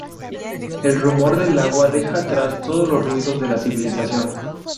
El rumor del agua deja atrás todos los ruidos de la civilización.